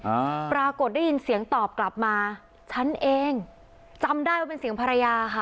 อ่าปรากฏได้ยินเสียงตอบกลับมาฉันเองจำได้ว่าเป็นเสียงภรรยาค่ะ